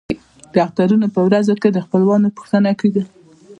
د اخترونو په ورځو کې د خپلوانو پوښتنه کیږي.